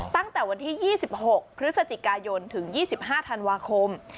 ตั้งแต่วันที่๒๖พฤศจิกายนถึง๒๕ธันวาคม